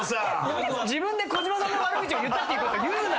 自分で児嶋さんの悪口を言ったっていうこと言うな。